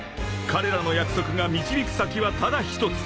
［彼らの約束が導く先はただ一つ］